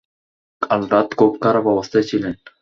কাল রাত খুব খারাপ অবস্থায় ছিলেন।